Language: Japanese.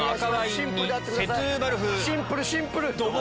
シンプルシンプル！